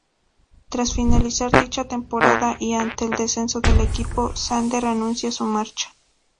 Tras finalizar dicha temporada, y ante el descenso del equipo, Sander anuncia su marcha.